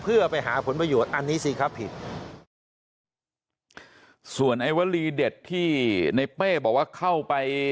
เพื่อไปหาผลประโยชน์อันนี้สิครับผิดส่วนไอ้วลีเด็ดที่ในเป้บอกว่าเข้าไป